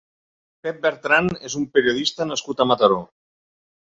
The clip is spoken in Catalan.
Pep Bertran és un periodista nascut a Mataró.